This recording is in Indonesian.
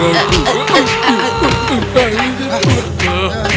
aku ingin mencari koin